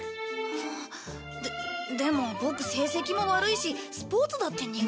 ででもボク成績も悪いしスポーツだって苦手だし。